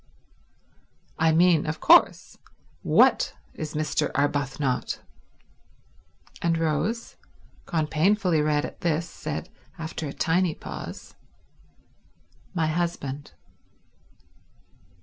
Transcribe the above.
"I mean, of course, what is Mr. Arbuthnot?" And Rose, gone painfully red at this, said after a tiny pause, "My husband."